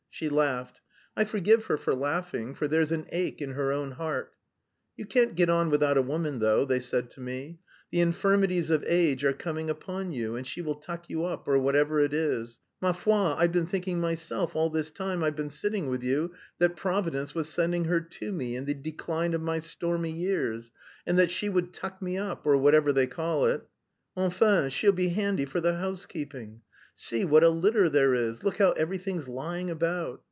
She laughed. I forgive her for laughing, for there's an ache in her own heart. You can't get on without a woman though, they said to me. The infirmities of age are coming upon you, and she will tuck you up, or whatever it is.... Ma foi, I've been thinking myself all this time I've been sitting with you that Providence was sending her to me in the decline of my stormy years and that she would tuck me up, or whatever they call it... enfin, she'll be handy for the housekeeping. See what a litter there is, look how everything's lying about.